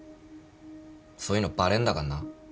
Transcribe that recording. そういうのバレんだかんな。